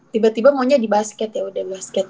tiba tiba maunya di basket ya udah basket